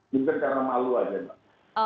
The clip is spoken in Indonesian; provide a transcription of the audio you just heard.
mungkin karena malu saja